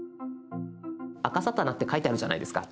「あかさたな」って書いてあるじゃないですか。